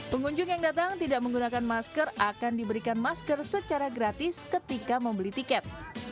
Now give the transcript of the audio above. pengunjung yang datang tidak menggunakan masker akan diberikan masker secara gratis ketika membeli tiket